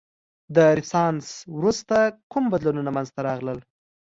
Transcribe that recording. د رنسانس وروسته کوم بدلونونه منځته راغلل؟